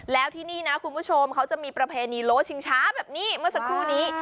แล้วที่นี่นะคุณผู้ชมเขาจะมีประเพณีโลชิงช้าแบบนี้เมื่อสักครู่นี้